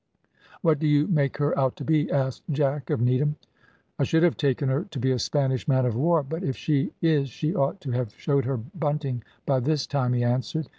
"What do you make her out to be?" asked Jack of Needham. "I should have taken her to be a Spanish man of war; but if she is she ought to have showed her bunting by this time," he answered.